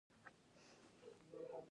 انار د افغانستان د بشري فرهنګ برخه ده.